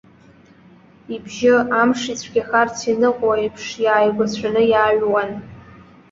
Ибжьы, амш ицәгьахарц ианыҟоу аиԥш, иааигәацәаны иааҩуан.